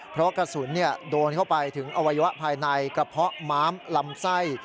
เพราะกระสุนโดนเข้าไปถึงอวัยวะภายในกระเพาะม้ามลำไส้